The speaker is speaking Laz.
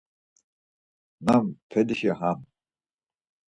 Nam felişi ham?